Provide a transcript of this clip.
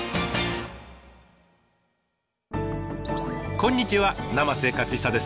こんにちは生瀬勝久です。